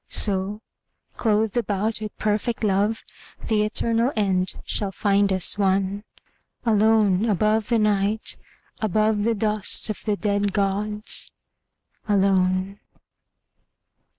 So, clothed about with perfect love, The eternal end shall find us one, Alone above the Night, above The dust of the dead gods, alone.